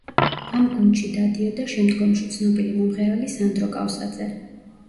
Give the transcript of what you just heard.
ამ გუნდში დადიოდა შემდგომში ცნობილი მომღერალი სანდრო კავსაძე.